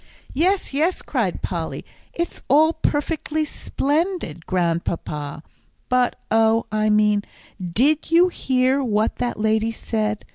"Yes, yes!" cried Polly. "It is all perfectly splendid, Grandpapa; but oh, I mean, did you hear what that lady said?"